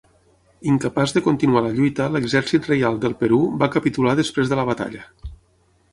Incapaç de continuar la lluita l'Exèrcit Reial del Perú va capitular després de la batalla.